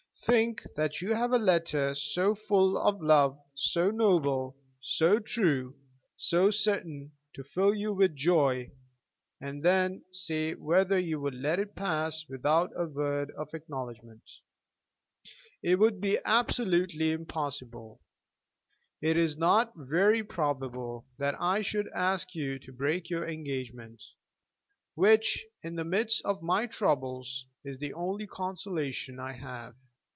Think that you have a letter so full of love, so noble, so true, so certain to fill you with joy, and then say whether you would let it pass without a word of acknowledgment. It would be absolutely impossible. It is not very probable that I should ask you to break your engagement, which in the midst of my troubles is the only consolation I have.